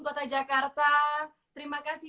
kota jakarta terima kasih